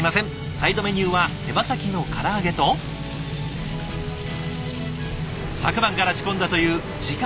サイドメニューは手羽先のから揚げと昨晩から仕込んだという自家製チャーシュー。